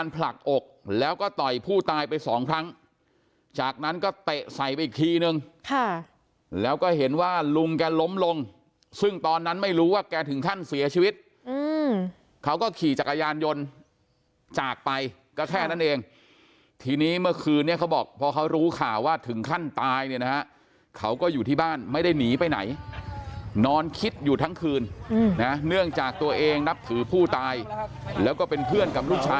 ผลักอกแล้วก็ต่อยผู้ตายไปสองครั้งจากนั้นก็เตะใส่ไปอีกทีนึงแล้วก็เห็นว่าลุงแกล้มลงซึ่งตอนนั้นไม่รู้ว่าแกถึงขั้นเสียชีวิตเขาก็ขี่จักรยานยนต์จากไปก็แค่นั้นเองทีนี้เมื่อคืนนี้เขาบอกพอเขารู้ข่าวว่าถึงขั้นตายเนี่ยนะฮะเขาก็อยู่ที่บ้านไม่ได้หนีไปไหนนอนคิดอยู่ทั้งคืนนะเนื่องจากตัวเองนับถือผู้ตายแล้วก็เป็นเพื่อนกับลูกชาย